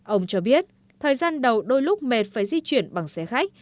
ông cho biết thời gian đầu đôi lúc mệt phải di chuyển bằng xe khách